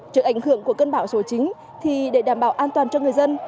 trước ảnh hưởng của cơn bão số chín thì để đảm bảo an toàn cho người dân